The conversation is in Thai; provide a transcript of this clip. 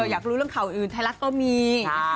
อยากรู้เรื่องข่าวอื่นไทยรัฐก็มี